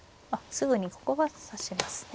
すぐにここは指しますね。